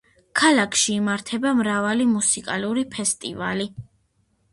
ქალაქში იმართება მრავალი მუსიკალური ფესტივალი.